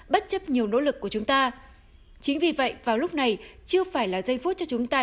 bất chấp nhiều nỗ lực của chúng ta chính vì vậy vào lúc này chưa phải là giây phút cho chúng ta